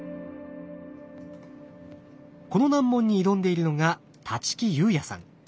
この難問に挑んでいるのが立木佑弥さん。